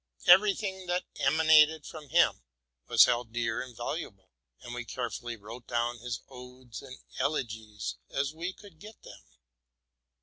Every thing that emanated from him was held dear and valuable, and we carefully wrote down his odes and elegies as we could get them.